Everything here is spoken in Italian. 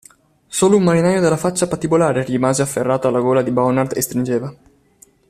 Solo un marinaio dalla faccia patibolare rimase afferrato alla gola di Bonard e stringeva.